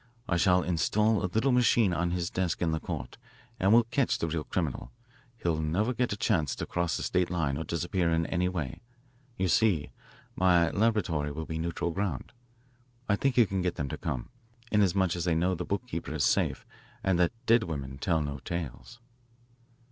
I shall install a little machine on his desk in the court, and we'll catch the real criminal he'll never get a chance to cross the state line or disappear in any way. You see, my laboratory will be neutral ground. I think you can get them to come, inasmuch as they know the bookkeeper is safe and that dead women tell no tales."